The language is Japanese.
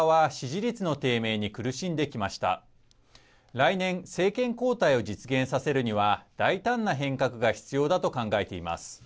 来年、政権交代を実現させるには大胆な変革が必要だと考えています。